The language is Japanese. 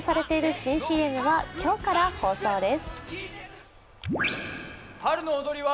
新ＣＭは今日から放送です。